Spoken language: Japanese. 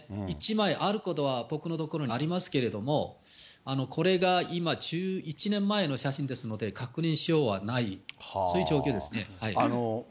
１枚あることは、僕のところにありますけども、これが今、１１年前の写真ですので、確認しようがない、そういう状況ですね。